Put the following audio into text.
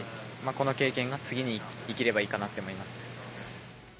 この経験が次に生きればいいかなと思います。